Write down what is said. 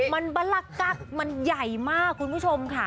มันบะลากักมันใหญ่มากคุณผู้ชมค่ะ